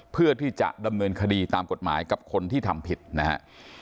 เพื่อที่จะดำเนินคดีตามกฎหมายกับคนที่ทำผิดนะฮะ